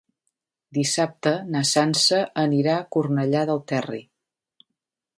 Dissabte na Sança anirà a Cornellà del Terri.